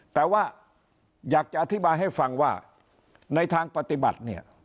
แต่ว่าอยากจะอธิบายให้ฟังว่าในทางปฏิบัติเนี่ย